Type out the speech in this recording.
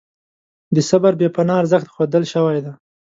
د صبر بې پناه ارزښت ښودل شوی دی.